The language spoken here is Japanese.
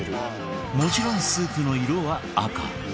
もちろんスープの色は赤